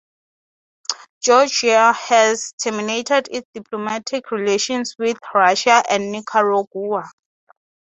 Georgia has terminated its diplomatic relations with Russia and Nicaragua.